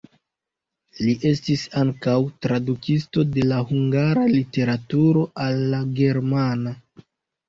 Li estis ankaŭ tradukisto de la hungara literaturo al la germana.